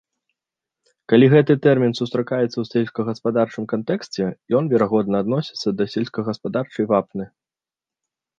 Калі гэты тэрмін сустракаецца ў сельскагаспадарчым кантэксце, ён, верагодна, адносіцца да сельскагаспадарчай вапны.